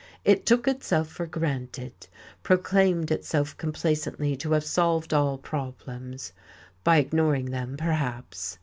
It took itself for granted, proclaimed itself complacently to have solved all problems. By ignoring them, perhaps.